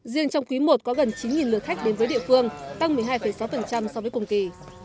riêng trong quý i có gần chín lượt khách đến với địa phương tăng một mươi hai sáu so với cùng kỳ